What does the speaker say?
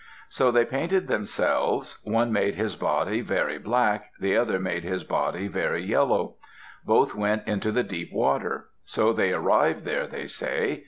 So they painted themselves; one made his body very black, the other made his body very yellow. Both went into the deep water. So they arrived there, they say.